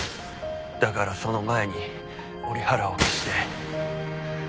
だからその前に折原を消して。